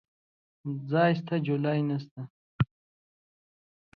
ځاى سته ، جولايې نسته.